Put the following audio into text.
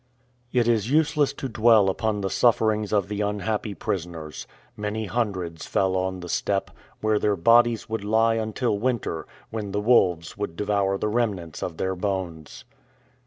It is useless to dwell upon the sufferings of the unhappy prisoners. Many hundreds fell on the steppe, where their bodies would lie until winter, when the wolves would devour the remnants of their bones.